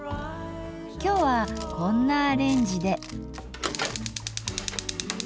今日はこんなアレンジで。